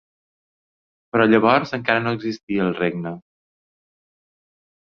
Però llavors encara no existia el regne.